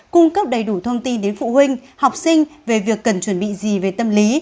cung cấp đầy đủ thông tin đến phụ huynh học sinh về việc cần chuẩn bị gì về tâm lý